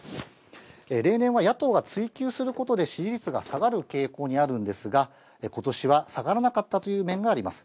例年は野党が追及することで支持率が下がる傾向にあるんですが、ことしは下がらなかったという面があります。